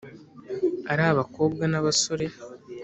ari abakobwa n’abasore